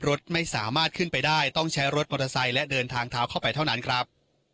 รถไม่สามารถขึ้นไปได้ต้องใช้รถมอเตอร์ไซค์และเดินทางเท้าเข้าไปเท่านั้นครับ